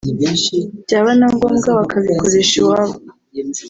byaba na ngombwa bakabikoresha iwabo